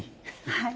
はい。